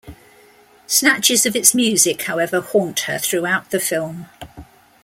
Snatches of its music, however, haunt her throughout the film.